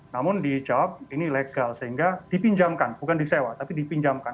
namun dijawab ini ilegal sehingga dipinjamkan bukan disewa tapi dipinjamkan